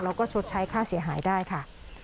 แล้วก็ชดใช้ค่าเสียหายได้ค่ะ